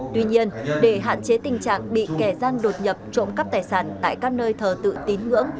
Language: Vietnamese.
tuy nhiên để hạn chế tình trạng bị kẻ gian đột nhập trộm cắp tài sản tại các nơi thờ tự tín ngưỡng